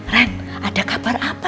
ren ada kabar apa